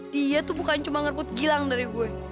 dia tuh bukan cuma ngerebut gilang dari gue